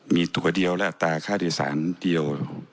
มีตัวเดียวและอัตราข้าวิทยาศาสตร์เดียว